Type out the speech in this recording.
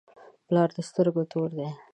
پلار د سترګو تور دی.